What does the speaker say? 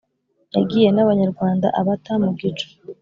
yagiye nabanyarwanda abata mu gico